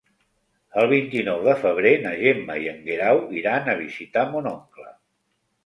El vint-i-nou de febrer na Gemma i en Guerau iran a visitar mon oncle.